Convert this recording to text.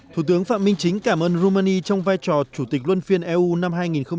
thủ tướng phạm minh chính cảm ơn rumani trong vai trò chủ tịch luân phiên eu năm hai nghìn một mươi chín